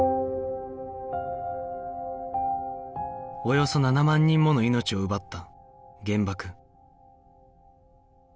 およそ７万人もの命を奪った原爆